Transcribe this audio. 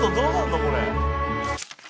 これ」